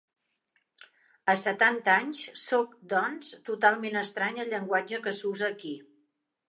A setanta anys sóc, doncs, totalment estrany al llenguatge que s'usa aquí.